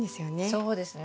そうですね。